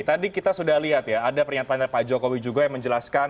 tadi kita sudah lihat ya ada pernyataan dari pak jokowi juga yang menjelaskan